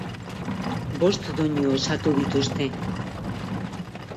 Bost doinu osatu dituzte.